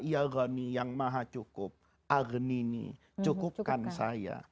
ya goni yang maha cukup agni nih cukupkan saya